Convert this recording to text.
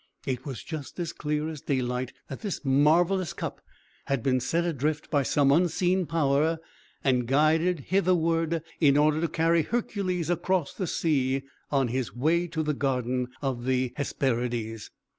It was just as clear as daylight that this marvellous cup had been set adrift by some unseen power, and guided hitherward, in order to carry Hercules across the sea, on his way to the garden of the Hesperides.